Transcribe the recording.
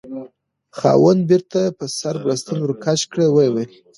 خاوند: بیرته په سر بړستن ورکش کړه، ویې ویل: